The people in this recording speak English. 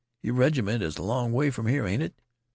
Your reg'ment is a long way from here, ain't it?